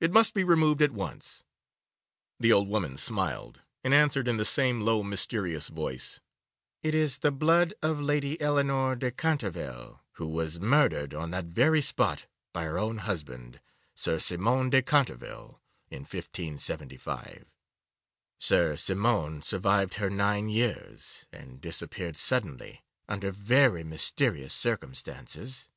It must be removed at once.' The old woman smiled, and answered in the same low, mysterious voice, 'It is the blood of Lady Eleanore de Canterville, who was murdered on that very spot by her own husband, Sir Simon de Canterville, in 1575. Sir Simon survived her nine years, and disappeared suddenly under very mysterious circumstances.